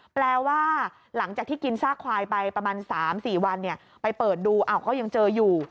แปลว่าหลังจากที่กินซากควายไปประมาณ๓๔วันไปเปิดดูก็ยังเจออยู่